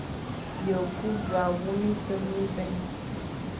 Ye ku za wum minsef mibè.